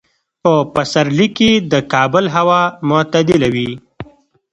په پسرلي کې د کابل هوا معتدله وي.